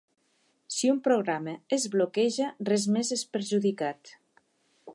Si un programa es bloqueja, res més és perjudicat.